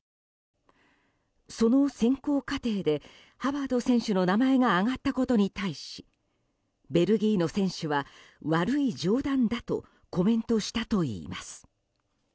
その選考過程でハバード選手の名前が挙がったことに対しベルギーの選手は悪い冗談だとコメントしたといいます。